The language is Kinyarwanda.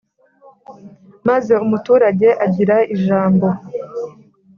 maze umuturage agira ijambo